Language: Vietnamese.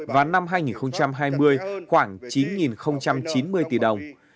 và năm hai nghìn hai mươi khoảng chín chín mươi tỷ đồng